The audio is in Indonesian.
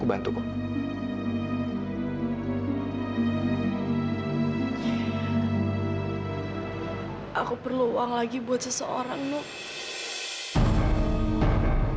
aku perlu uang lagi buat seseorang nu